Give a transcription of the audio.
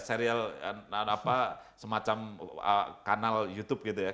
serial semacam kanal youtube gitu ya